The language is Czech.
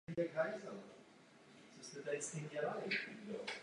Samec a samice jsou zbarvení stejně.